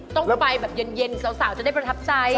ต้องไปแบบเย็นสาวจะได้ประทับใจ